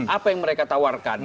apa yang mereka tawarkan